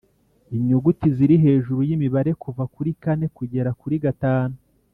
Inyuguti ziri hejuru y imibare kuva kuri kane kugeza kuri gatanu